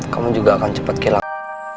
kamu juga akan cepat hilang